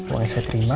mau saya terima